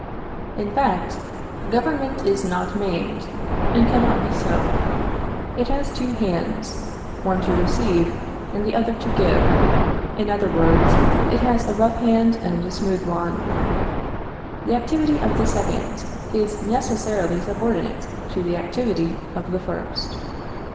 In fact, Government is not maimed, and cannot be so. It has two hands one to receive and the other to give; in other words, it has a rough hand and a smooth one. The activity of the second is necessarily subordinate to the activity of the first.